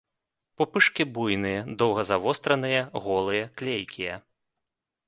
Пупышкі буйныя, доўга-завостраныя, голыя, клейкія.